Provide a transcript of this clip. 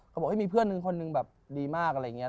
เขาบอกมีเพื่อนนึงคนนึงแบบดีมากอะไรอย่างนี้